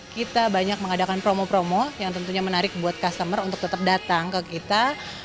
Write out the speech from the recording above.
kita banyak mengadakan promo promo yang tentunya menarik buat customer untuk tetap datang ke kita